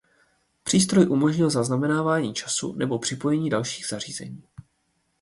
Přístroj umožnil zaznamenávání času nebo připojení dalších zařízení.